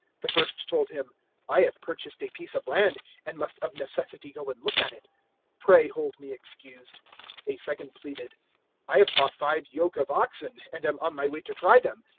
The first told him, "`I have purchased a piece of land, and must of necessity go and look at it. Pray hold me excused.' 014:019 "A second pleaded, "`I have bought five yoke of oxen, and am on my way to try them.